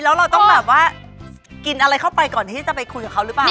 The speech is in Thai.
แล้วเราต้องแบบว่ากินอะไรเข้าไปก่อนที่จะไปคุยกับเขาหรือเปล่า